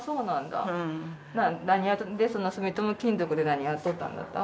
何やってその住友金属で何やっとったんだった？